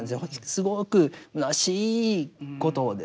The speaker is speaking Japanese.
すごくむなしいことですね。